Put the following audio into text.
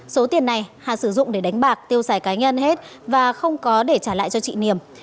số tiền này hà sử dụng để đánh bạc tiêu xài cá nhân hết và không có để trả lại cho chị niềm